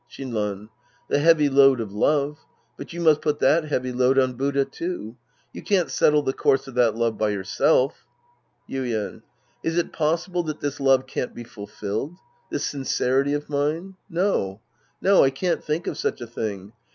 Shinran. The heavy load of love. But you must put that heavy load on Buddha, too. You can't settle the course of that love by yourself Yuien. Is it possible that this love can't be ful filled? This sincerity of mine? No, no, I can't tliink of such a thing.